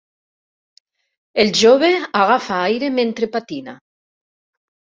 El jove agafa aire mentre patina.